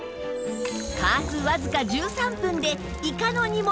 加圧わずか１３分でイカの煮物が完成！